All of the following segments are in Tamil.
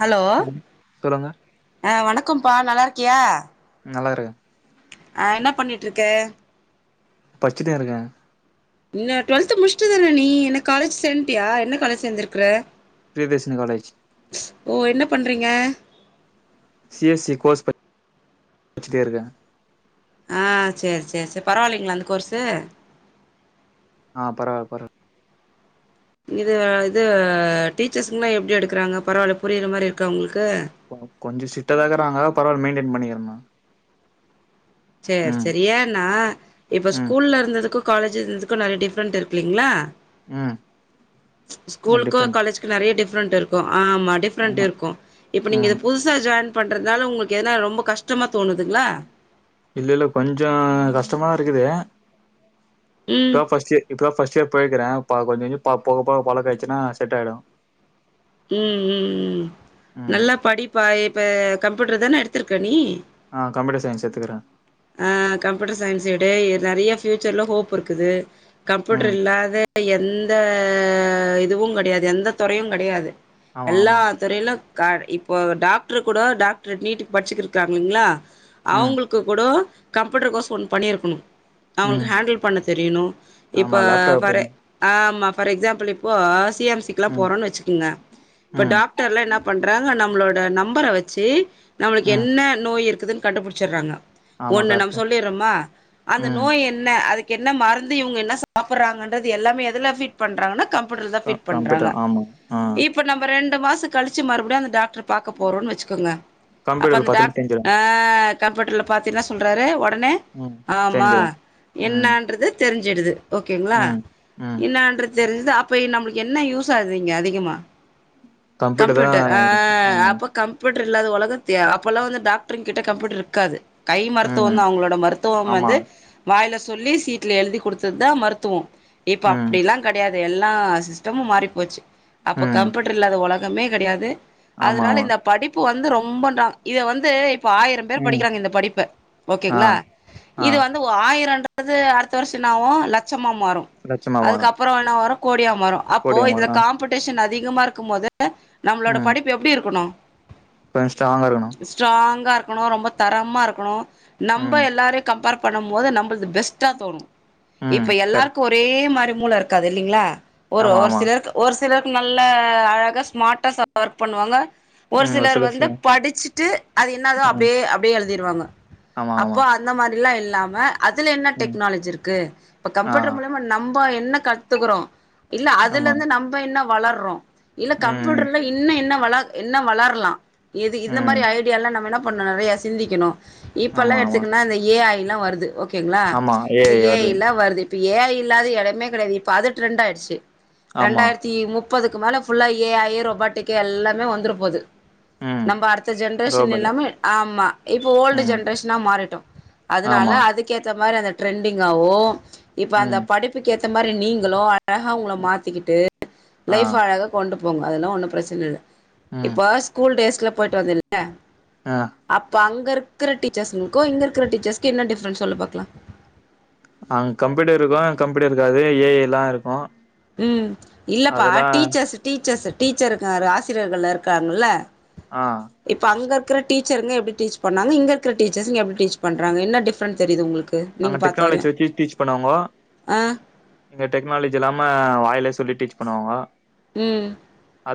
ஹலோ ம் சொல்லுங்க ஆ வணக்கம்ப்பா நல்லா இருக்கியா நல்லா இருக்க ஆ என்ன பண்ணிட்டிருக்க பச்சிட்டே இருக்கே என்ன டுவல்த் முடிச்சட்டுதானே நீ என காலேஜ் சேன்ட்டியா என்ன காலேஜ் சேந்திருக்குற பிரியதர்சனி காலேஜ் ஓ என்ன பண்றீங்க சி எஸ் சி கோர்ஸ் ப பச்சிட்டே இருக்க ஆ செரி செரி செரி பரவாயில்லேங்களா அந்த கோர்சு ஆ பரவால பர இது இது டீச்சர்ஸ்குனா எப்டி எடுக்கறாங்க பரவாயில்ல புரியிர மாரி இருக்க உங்களுக் கொஞ்சோ சிட்டதா இக்கராங்க பரவால மெயின்டேன் பண்ணிக்கிற நா செரி செரி ஏன்னா இப்ப ம் ஸ்கூல்ல இருந்ததுக்கு காலேஜ் இது இதுக்கு நெறைய டிஃப்ரெண்ட் இருக்குல்லேங்ளா ம் ஸ்கூலுக்கு டிஃப்ரெண்ட் காலேஜ்க்கு நெறைய டிவ் ரென்ட் இருக்கு ஆமா டிஃப்ரெண்ட் ஆமா இருக்கு இப்ப நீங்க ம் இதே புதுசா ஜாயின் பண்றதுனால உங்களுக்கு ஏனா ரொம்ப கஷ்டமா தோணுதுங்ளா இல்ல இல்ல கொஞ்சோ கஷ்டமா இருக்குது ம். தா ஃபஷ்ட்டு இப்பதா ஃபஸ்ட் இயர் போயக்கிறே ப கொஞ்சோ கொஞ்சோ ப போக போக பழக்க ஆயிச்சின்னா செட் ஆயிடு உம் உம் உம் ம் நல்லா படிப்பா இப்ப கம்யூட்டர் தான எடுத்திருக்கே நீ ஆ கம்ப்யூட்டர் சயின்ஸ் எத்துக்குறே ஆ கம்ப்யூட்டர் சயின்ஸ் எடு இ நெறைய ஃபியூச்சர்ல ஹோப் இருக்குது கம்யூட்டர் ம் இல்லாத எந்த இதுவு கெடையாது எந்த தொறையு கெடையாது ஆமா எல்லா ஆமா துறையிலு காட் ப் ஓ டாக்டுரு கூட டாக்டர் நீட்டுக்கு படிச்சிக்கிருக்காங் இல்லேங்ளா ம் அவங்களுக்கு கூடோ கம்யூட்டர் கோர்ஸ் ஒன் பண்ணியிருக்குணு அவங்க ம் ஹேண்டில் பண்ண தெரியணு இப்ப ஆமா லேப்டாப்பு வர ஆமா ஃபார் எக்ஸாம்பிள் இப்போ சி எம் சி க்லா ம் போறோன்னு வச்சுக்குங்க இப்ப ம் டாக்டர்ல என்ன பண்றாங்க நம் ம்ளோட நம்பர வச்சு நம்மளுக்கு ம் என்ன நோய் இருக்குதுன்னு கண்டுபுடிச்சிறாங்க ஆமா ஒண்ணு நம் கரெக்ட்டு சொல்லிறோமா அந்த ம் நோய் என்ன அது என்ன மருந்து இவங்க என்ன சாப்பிடுறாங்கென்றது எல்லாமே எதுல பீட் பண்றாங்கன்னா கம் ப்யூட்டர் தா க பிட் பண்றாங்க கம்ப்யூட்டர் ஆமா ஆ இப்ப நம்ம ரெண்டு மாச கழிச்சு மறுபடியு அந்த டாக்டர் பார்க போறோ வச்சுக்கோங்க அப்ப கம்ப்யூட்டர்ல அந்த பாத்துட்டு டாக்டர் தெரிஞ்சிரு கம்ப்யூட்டரல பாத்து என்ன சொல்றாரு உடனே ம் ஆமா தெரிஞ்சிரு ம் என்னன்றது தெரிஞ்சிடுது ஓகேங்களா ம் ம் என்னன்று தெரிஞ்சது அப்ப நம்மளுக்கு என்ன யூஸ் ஆகுதுங்க அதிகமா கம்ப்யூட்டர் ஆ ஆமா அப்ப கம்ப்யூட்டர் இல்லது உலகத்த அப்பல்லா வந்து டாக்டர் கிட்ட கம்ப்யூட்டர் இருக்காது கை மருத்துவ ம் அவங்களோட மருத்துவ ஆமா வந்து வாயில சொல்லி சிட்டுல எழுதி கொடுத்த தா மருத்துவோ இப்ப ம் அப்படில்லா கிடையாது அ எல்லா சிஸ்டமு மாறிப்ப போச்சு அப்போ ம் கம்ப்யூட்டர் இல்லாத உலகமே கிடையாது ஆமா அதனால ஆமா இந்த படிப்பு வந்து ரொம்ப இத வந்து இப்ப ஆயிர பேர் ம் படிக்கிறாங்க இந்த படிப்பு ஆ ஓகேங்களா ஆ இது வந்து ஆயிரம்ன்றது அடுத்த வருஷோ என் நாவு லட்ச மாறும் லட்சமா அதுக்க மாறு அப்புறம் என்ன வரும் கோடியா மாறும் அப்போ கோடியா இதுல மாறு காம்படிஷன் அதிக அதிகமா இருக்கும் போது நம்மளோட ம் படிப்பு எப்படி இருக்கணு கொஞ்ச ஸ்டராங்க் இருக்கணு இரு ரொம்ப தரமா இருக்கணு நம்ம ம் எல்லாரையு கம்பேர் பண்ணு போது நம்ம பெஸ்டா தோணு ம் இப்ப கரெக்ட் எல்லாருக்கும் ஒரே மாரி மூள இருக்காது இல்லைங்களா ஒரு ஆமா ஒரு ஆமா சிலருக்கு ஒரு சிலரு நல்ல அழகாக ஸ்மார்ட ஒர்க் பண்ணுவாங்க ஒரு ம் சிலர் சில ச வந்து படிச்சுட்டு அது என்னதோ ம் அப்படியே அப்படியே எழுதிடுவாங்க ஆமா ஆமா அப்போ அந்த மாதிரில்லா இல்லாம அதுல என்ன ம் டெக்னாலஜி இருக்கு இப்ப ஆ கம்ப்யூட்டர் மூலியமா நம்ம என்ன கத்துக்கறோ இல்ல அதுல ஆமா இருந்து நம்ம என்ன வளர்றோ இல்ல ம் கம்ப்யூட்டர்ல இன்ன என்ன வள என்ன வளரலா இது இந்த மாதிரி ம் ஐடிய எல்லா நம்ம என்ன பண்ணு நிறைய சிந்திக்கணு இப்பல்லா ஆமா ஆமா எடுத்துக்கா இந்த ஏ ஐ எல்லா வருது ஓகேங்களா ஆமா இந்த ஐ ஏ வருது எல்லா வருது ஏ ஐ இல்லாத இடமே கிடையாது இப்ப அது ரெண்டு ஆயிடுச்சு ஆமா ரெண்டாயிரத்தி முப் பதுக்கு மேல ஃபுல்லா ஏ ஐய ரொபாட்டக்கே எல்லாமே வந்துரு போது ம் நம்ப அடுத்த ஜென்ரேஷன் ரோபோட்டு எல்லாமே ஆமா இப் ஓல்டு ம். ஜென்ரேஷனா மாறிட்டோ அதனால ஆமா. அதுக்கேத்த மாரி அந்த ட்ரெண்டிங்காவோ இப்ப அந்த ம். படிப்புக்கு ஏத்த மாரி நீங்களு அழகா உங்கள மாத்திக்கிட்டு ஆ. லைஃப் அழகா கொண்டுப் போங்க அதெல்லா ஒன்னும் பிரச்சன இல்ல ம். இப்ப ஸ்கூல் டேஸ்ல போயிட்டு ஆ. [unintelligible] அப்ப அங் இங்க இருக்கிற டீச்சர்ஸ்ங்களுக்கோ இங்க இருக்குற டீச்சர்ஸ்கோ என்ன டிஃப்ரன்ஸ் சொல்லு பாக்கலா அங் கம்ப்யூட்டருக்கூ இங் கம்ப்யூட்டர் இருக்காது ஏ ஐ எல்லா இருக்கூ ம் இல்லப்பா டீச்சர்ஸ் டீச்சர்ஸ் டீச்சருக்கு வ ஆசிரியர்கள்ல இருக்காங்கல்ல ஆ இப்ப அங்க இருக் க்குற டீச்சருங்க எப்டி டீச் பண்ணாங்க இங்க இருக்குற டீச்சர்ஸங்க எப்டி டீச் பண்றாங்க என்ன டிஃப்ரண்ட் தெரிது உங்குளுக்கு அங்க டெக்னாலஜி வெக்கி டீச் பண்ணாங்கோ ஆ இங்க டெக்னாலஜி எல்லாம வா அத்லே சொல்லி டீச் பண்ணுவாங்கோ ம்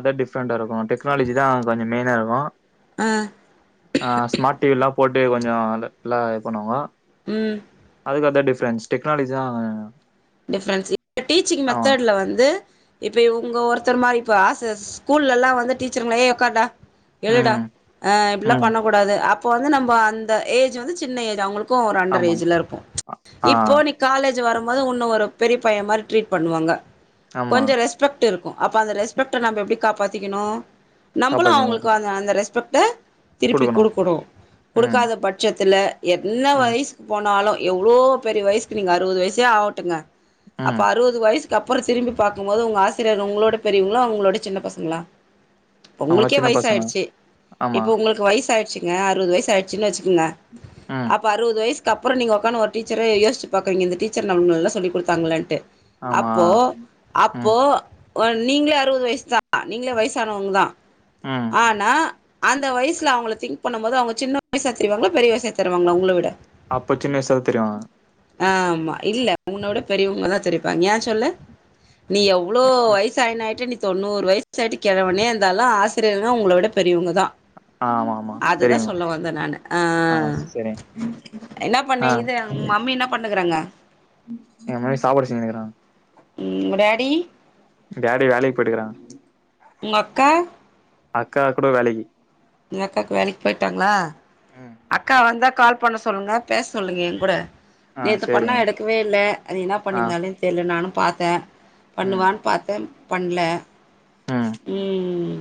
ல டிஃப்ரெண்டா இருக்கூ டெக்னாலஜி தா கொஞ்சோ மெயினா இருக்கூ ஆ ஆ ஸ்மார்ட் டி வில்லா போட்டு கொஞ்சோம் அந்தத்லா இது பண்ணுவாங்க ம் ஃபுல்லா அத்தா டிஃப்ரண்ட்ஸ் டெக்னாலஜிதா டிஃப்ரெண்ஸ் இப்ப டீச்சிங் மெத்தட்ல வந்து இப்ப இவங்க ஒருத்தர் மாரிப்ப ஆசஸ் ஸ்கூல்ல ல்லா வந்து டீச்சருங்களே உக்கார்ட்டா எழுடா ம். அ இப்புட்லா ம். பண்ணக்கூடாது அப்போ வந்து நம்ப அந்த ஏஜ் வந்து சின்ன ஏஜ் அவங்களுக் க்கோ ஒரு அண்டர் ஆமா. ஏஜ்ல இருக்கும் ஆ. இப்போ நீ காலேஜ் வரம்போது உன் ன ஒரு பெரிய பைய மாரி ட்ரீட் பண்ணுவாங்க ஆமா. கொஞ்சோ ரெஸ்பெக்ட் ட்டு இருக்கூ அப்ப அந்த ரெஸ்பெக்ட நம்ப எப்புடி காப்பாத்திக்கிணு நம்பளு அவங்களுக்கு காப்பாத்திருவாங்க. அந்த அந்த ரெஸ்பெக்ட திருப்பி குடுக்கணும். குடுக்கனோ ம். குடுக்காத பட்சத்துல என்ன ம். வயிசுக்கு போனாலு எவ்ளோ பெரிய வயிசுக்கு நீங்க அறுவது வயிசே ஆவட்டுங்க அப்ப ம். அறுவது வயிசுக் க்குக்கப்புறோ திரும்பி பாக்கும்போது உங்க ஆசிரியர் உங்களோட பெரியவங்களா உங்களோட சின்ன பசங்களா இப்ப அவங்களாம் உங்களுக்கே சின்ன வயசு பசங்க. ஆயிடுச்சு ஆமா. இப்ப உங்களுக்கு வயசு ஆயிடுச்சுங்க அறுவது வயசு ஆயிடுச்சுன்னு வச்சு ன்ன ம் அப்ப அறுவது வயிசுக்கு அப்புறோ நீங்க ஒக்கான்னு ஒரு டீச்சரை யோசிச்சு பாக்குவீங்க இந்த டீச்சர் நம்லல்லா சொல்லி குடுத்தாங்களான்ட்டு ஆமா அப்போ அப்போ ம் ஓ நீங்களே அறுவது வயசு தா அ நீங்களே வயிசானவங்க தா ம் ஆனா அந்த வயிசுல அவங்கள திங்க் பண்ணம்போது அவங்க சின்ன வயிசா தெரிவாங்களா பெரிய வயிசா தெரிவாங்களா உங்கள விட அப்ப சின்ன வயிசாதா தெரிவாங்க ஆமா இல்ல உன்னோட பெரியவங்களாதா தெரிப்பாங்க ஏன் சொல்லு நீ எவ்வளோ வயிசாயினாயிட்ட நீ தொண்ணூறு வயிசாயிட்டு கெழவனே இருந்தாலு ஆசிரியர்ல்லா உங்கள விட பெரியவங்கதா ஆமா ஆமா அதுதா தெரியுங்க சொல்ல வந்தே நானு ஆ என்ன ஆ பண்ணே இது உங் மம்மி இன்னா பண்ணுகுறாங்க எங் மம்மி சாப்பாடு செஞ்சுனுகுறாங்க ம் உங்க டேடி டேடி வேலைக் போய்ட்டுகுறாங்க உங்கக்கா அக்கா கூட வேலக்கி உங்க அக்காக்கு வேலைக் போயிட்டாங்ளா ம் அக்கா வந்தா கால் பண்ண சொல்லுங்க பேச சொல்லுங்க என் கூட ஆ நேத்து பண்ணா சரிங்க எடுக்கவே இல்ல அது இன்னா ஆ பண்ணிந்தாலேன் தெர்ல நானும் பாத்தே ம் பண்ணுவான் பாத்தே பண்ல ம் ம் ம்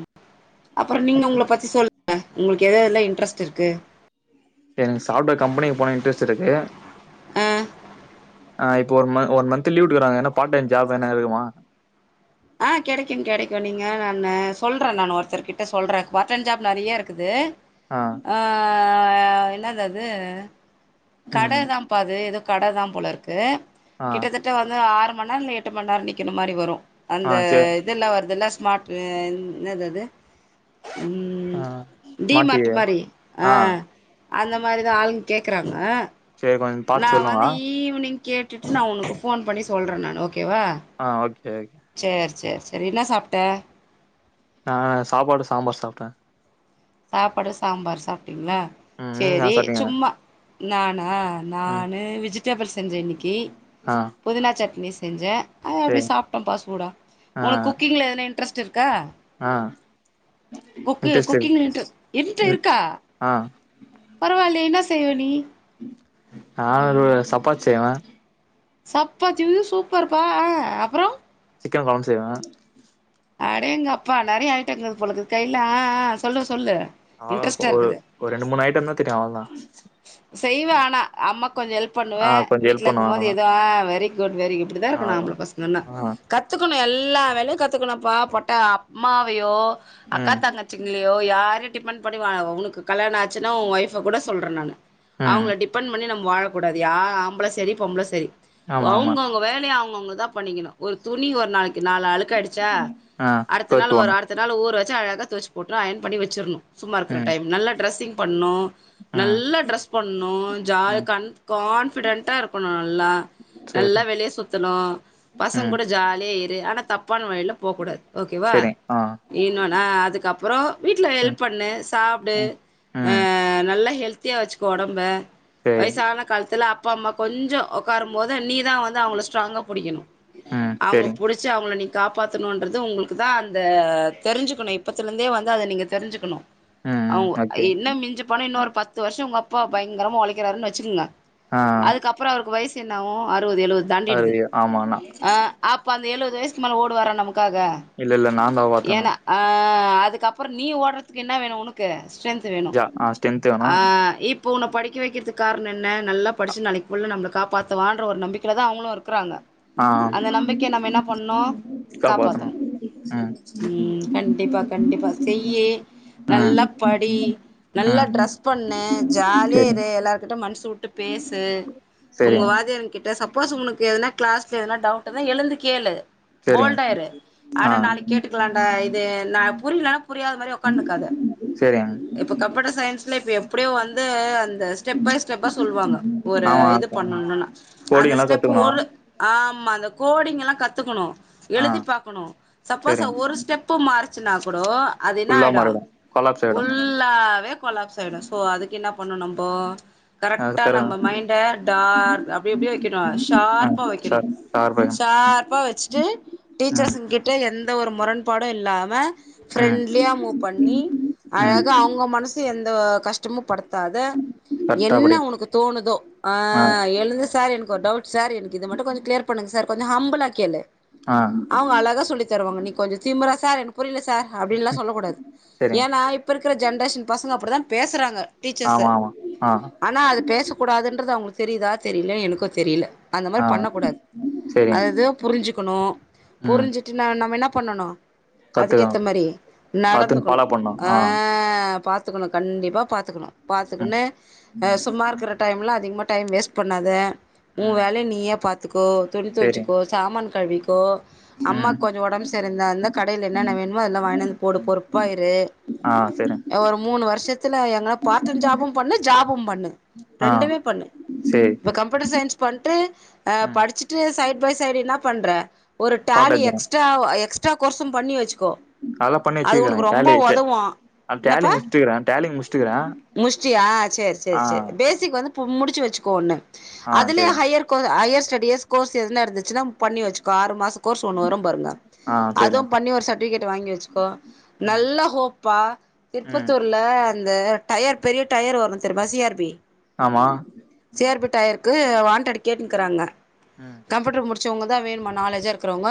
அப்புறோ நீங்க உங்கள பத்தி சொல்லுங்க உங்குளுக்கு எது எதுல்லா இன்ட்ரெஸ்ட் இருக்கு எனக்கு சாஃப்ட்வேர் கம்பெனிக்கு போனோ இன்ட்ரெஸ்ட் இருக்கு ஆ இப்ப ஒரு மந் ஒன் மந்த் லீவ் உட்டுக்குறாங்க ஏன்னா பார்ட் டைம் ஜாப் எத்னா இருக்குமா ஆ கிடைக்கும் கிடைக்கும் நீங்க நான்னு சொல்றே நான் ஒருத்தர்க் கிட்ட சொல்றே பார்ட் டைம் ஜாப் நறையா இருக்குது ஆ என்னது அது ம் கடதான்பா அது எதோ கட தான் போல இருக்கு ஆ கிட்டத்தட்ட வந்து ஆறு மண் நேரோ இல்ல எட்டு மண் நேரோ நிக்கிற மாரி வரு ஆ அந்த சரி இதெல்லா வருதுல்ல ஸ்மார்ட் என் என்னது அது ம் ஆ டிமாட்டு மாட்டியே மாரி ஆ அந்த மாரிதா ஆளுங்க கேக்குறாங்க சரி கொஞ்ச நா பாத்து சொல்லுங்க வந்து ஈவினிங் கேட்டுட்டு நா உனக்கு போன் பண்ணி சொல்றே நான் ஓகேவா ஆ ஓகே ஓகே சேர் சேர் செரி என்ன சாப்ட்ட நா சாப்பாடு சாம்பார் சாப்ட்ட சாப்பாடு சாம்பார் சாப்ட்டீங்களா ம் நீங்க என்ன சரி சாப்ட்டீங்க சும்மா நானா ம் நான் வெஜிடேபிள் செஞ்ச இன்னைக்கி ஆ புதினா சட்னி செஞ்ச அத அப்படி சேரி சாப்ட்டோம்பா சூடா ஆ உனக் குக்கிங்ல எதனா இன்ட்ரெஸ்ட் இருக் க்கா ஆ குக்கு இன்ட்ரெஸ்ட் குக் இருக்கு கிங்லருக்கு இன்ட்ட ம் இருக்கா ஆ பரவால்லயே என்னா செய்வ நீ நா ஒரு சப்பாத்தி செய்வ சப்பாத்தியுமே சூப்பர்ப்பா அ அப்பறொ சிக்கன் கொழம்பு செய்வ அடேங்கப்பா நெறைய ஐட்டங்கள் போலருக்குது கைல்ல அ ஆ சொல்லு சொல்லு அவ்ளோதா இன்ட்ரெஸ்ட்டா ஒரு இருக்குது ஒரு ரெண்டு மூணு ஐட்டம்தா தெரியு அவ்ளதா [inaudible] செய்வே ஆனா அம்மாக்கு கொஞ்சொ ஹெல்ப் பண்ணுவ ஆ கொஞ்சோ வீ்ட்ல ஹெல்ப் பண்ணுவே இருக்கும் போது அவ்ளோதா எதுவா வெரி குட் வெரி இப்படிதா இருக்கணு ஆம் அவ்ளோதா ப்ள பசங்கன்னா ஆ கத்துக்கணு எல்லா வேலையு கத்துக்கணும்ப்பா பொட்டா அம்மாவையோ அக்கா ம் தங்கச்சிங்களோயோ யாரயு டிபெண்ட் பண்ணி வாழா உனக்கு கல்யாணொ ஆச்சுனா உ ஒய்ஃப்ப கூட சொல்ற நான் ம் அவங்கள டிபெண்ட் பண்ணி நம்ம வாழக்கூடாது யார் ஆம்பள செரி பொம்பள செரி ஆமா ஆமா அவங்கவங்க வேலைய அவங்கவுங்கதா பண்ணிக்கணு ஒரு துணி ஒரு நாளைக் கு நாலு அழுக்காய்டிச்சா ஆ அடுத்த கோர்ச் நாள் ஒரு போனு அடுத்த நாள் ஊர வச்சு அழகா தொவச்சு போற்று அயன் பண்ணி வச்சிரணு சும்மா இருக்குற ம் டைம் நல்லா ட்ரெஸ்ஸிங் பண்ணு ம் நல்லா ட்ரெஸ் பண்ணு ஜால் ம் கன் கான்பிடென்டா இருக்கணு நல்லா நல்லா சேரி வெளிய சுத்தணு பசங்க ம் கூட ஜாலியா இரு ஆனா தப் ப்பான வழியில போ கூடாது ஓகேவா சேரி ஆ இன்னோன்னா அதுக்கப்பறோ வீட்டுல ம் ஹெல்ப் பண்ணு சாப்புடு ம் அ ம் நல்லா ஹெல்த்தியா வச்சுக்கோ ஒடம்ப சேரி வயசான காலத்துல அப்பா அம்மா கொஞ்சொ ஒக்காரும் போது நீதா வந்து அவங்கள ஸ்ட்ராங்கா புடிக்கணு ம் அவங்க சேரிங் புடிச்சி அவங்கள நி காப்பாத்தணுன்றது உங்களுக்குதா அந்த தெரிஞ்சுக்கணு இப்பத்துலேந்தே வந்து அத நீங்க தெரிஞ்சுக்கணு ம் ம் அவங்க ஓகே என்ன மிஞ்சிப்போனா இன்னு ஒரு பத்து வருஷம் உங்கப் பா பயங்கரமா ஒழைக்கிறாருன்னு வச்சுக்கங்க ஆ ஆ அதுக்கப்பறொ அவருக்கு வயசு என்னாவு அறு வது எழுவது அது தாண்டிடுது ஆமா நா அ அப்ப அந்த எழுவது வயசுக்கு மேல ஓடுவாரா நமக் காக இல்ல இல்ல நான் காப்பாத்தணு ஏனா அ அதுக்கப்பறொ நீ ஓடுறதுக்கு என்ன வேணு உனக்கு ஸ்ட்ரென்த் வேணு ஜா ஆ ஸ்ட்ரென்த் வேணு ஆ இப் ப்போ ஒன்ன படிக்க வைக்கிறதுக்கு காரணொ என்ன நல்லா படிச்சு நாளைக்கு புள்ள நம்மள காப்பாத்துவான்ற ஒரு நம்பிக்கையிலதா அவங்களு இருக்குறாங்க ஆ அந்த நம்பிக்கைய நம்ம என்ன பண்ணணு காப்பாத்தணு ம் ம் கண்டிப்பா கண்டிப்பா செய் ம் நல்லா படி நல்லா ம் ட்ரெஸ் பண்ணு ஜா ஜாலியா சேரிங்க இரு எல்லார்கிட்ட மனசு வுட்டு பேசு உங்க சேரிங்க வாத்தியார்ங்க கிட்ட சப்போஸ் உனக்கு எதுனா ட்ஸ் எதனா டவுட்டுனா எழுந்து கேளு சேரிங்க போல்டா இரு ஆ அட நாளைக்கு கேட்டுக்கலான்டா இது நா புரியலன்னா புரியாத மாரி உக்காந்துக்காத சேரிங்க இப்ப கம்ப்யூட்டர் சயின்ஸ்ல இப்ப எப்படியோ வந்து அந்த ஸ்டெப் பை ஸ்டெப்பா சொல்லுவாங்க ஒரு ஆமா இது பண்ணணுனா அந்த கோடிங்லா ஸ்டெப் கத்துக்கணு ஒரு ஆமா அந்த கோடிங் எல்லா கத்துக்கணு ஆ எழுதி பாக்கணு சப்போஸ் ஒரு சேரிங்க ஸ்டெப்பு மாறுச் சுனா கூடோ அது என்ன ஃபுல்லா ஆயிடு மாறிடு கொலாப்ஸ் ஆயிடு ஃபுல்லாவே கொலாப்ஸ் ஆயிடு சோ அதுக் என்னா பண்ணண் நம்போ அது கரெக்டா தெர நம்ம மைண்ட டார்க் அப்படி எப்படியே வைக்கணும் ஆ ஷார்ப்பா சார் வைக்கணும் சார்பு ஷார்ப்பா வச்சுட்டு ம் டீச்சர்ஸ கிட்ட எந்த ஒரு முரண் பாடும் இல்லாம ம் பிரெண்ட்லியா மூவ் பண்ணி ம் அழக அவங்க மனசு எந்த கஷ்டமும் படுத்த து கரெக்டா என்ன படி உனக்கு தோணுதோ ஆ எழுந்து சார் எனக்கு ஒரு டவுட் சார் எனக்கு இதை மட்டும் கொஞம் க்ளியர் பண்ணங்க சார் கொஞ்சம் ஹம்பலா கேளு ஆ அவங்க அழகா சொல்லி தருவாங்க நீ கொஞ்சம் திமுரா சார் எனக்கு புரியல சார் அப்படின்னுல்லா சொல்லக் கூடாது சேரிங்க ஏன்னா இப்ப இருக்கிற ஜென்ரேஷன் பசங்க அப்படித்தான் பேசுறாங்க டீச்சர்ஸ் ஆமா ஆமா ஆ ஆனா அது பேசக்கூடாதுன்றது அவங்களுக்கு தெரியுதா தெரியல எனக்கு தெரியல அந்த மாரி ஆ பண்ணக்கூடாது சேரிங்க அதுது புரிஞ்சுிக்கணு ம் புரிஞ்சுட்டு நமன பண்ணணு கத்துக்கா அதுக்கேத்த மாரி கத்துன்னு நடந்துக்கணும் ஃபாலோ பண்ணு ஆ பார்த் பாத்துக்கணும் கண்டிப்பாக பாத்துக்கணும் ம் பாரத்துக்குன்னு அ ம் சும்மா இருக்கிற டைம் எலாம் அதிகமா டைம் வேஸ்ட் பண்ணாத உன் ம் வேலைய நீயே பாத்துக்கோ துணி சேரி துவச்சுக்கோ சாமான் கழுவிக்கோ அம்மா ம் கொஞ்சம் உடம்பு சரிந்தா அந்தால் கடையில் என்னென்ன வேணுமோ அதெல்லா வாங்கினந்து போடு பொறுப்பா இரு ஆ சேரி ஒரு மூணு வருஷத்துல எங்கன்ன பார்ட் ஜாபும் பண்ணு ஜாபும் பண்ணு ஆ ரெண்டுமே பண்ணு சேரி இப்ப கம்ப்யூட்டர் சயின்ஸ் பண்ட்டு அ ம் படிச்சுட்டு சைட் பை சைடு என்ன பண்ற ஒரு data Tally general extra extra கோர்ஸும் பண்ணி வச்சு கோ அதெல்லா பண்ணி அது வச்சுக்கிறே உனக்கு ரொம்ப டேலி டே உதவும் அது டேலி என்னப்பா முடிச்சுட்டுக்கிறே டேலி முடிச்சுட்டுக்கிறே முஷ்டியா சரி சரி ஆ சரி பேசிக் வந்து முடிச்சு வச்சுக்கோ ஒண்ணு ஆ அதுலேயே சேரிங்க ஹையர் ஹையர் ஸ்டடிீஸ் கோர்ஸ் எதுன இருந்துச்சுன்னா பண்ணி வச்சுக்கோ ஆறு மாச கோர்ஸ் ஒன்னு வரும் பாருங்க ஆ சேரிங்க அதுவும் பண்ணி ஒரு சர்ட்டிபிகேட் வாங்கி வச்சுக்கோ ம் நல்ல ஹோப்பா ம் திருப்பத்தூர்ல இந்த டயர் பெரிய டயர் வரும் தெரியுமா சிஆர்பி ஆமா சிஆர்பி டயர் க்கு வாண்டட் கேட்டுக்கிறாங்க ம் கம்ப்யூட்டரு முடிச்சவங்க தான் வேணுமா நாலேஜாக இருக்கிறவங்க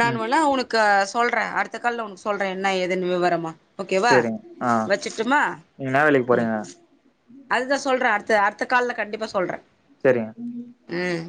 நான் ம் வேல்ல உனக்கு சொல்றேன் அடுத்த கால்ல உனக்கு சொல்றே என்ன எதுன்னு விவரமா ஓகேவா சரிங்க ஆ வச்சுட்டுமா நீங்க ந வேலைக்கு போறீங்க அதுதான் சொல்றே அடுத்த அடுத்த கால்ல கண்டிப்பா சொல்றே சேரிங்க ம்